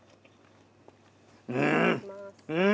うん！